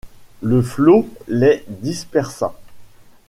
Le flot les dispersa.